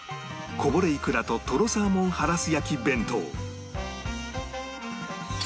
こぼれイクラととろサーモンハラス